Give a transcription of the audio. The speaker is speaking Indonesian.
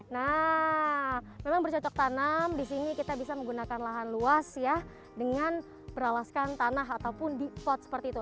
nah memang bercocok tanam di sini kita bisa menggunakan lahan luas ya dengan beralaskan tanah ataupun dipot seperti itu